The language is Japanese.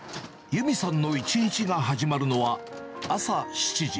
由美さんの一日が始まるのは、朝７時。